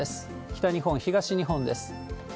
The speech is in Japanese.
北日本、東日本です。